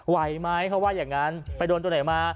ไหวไหมเขาว่าอย่างนั้นไปโดนตัวไหนมา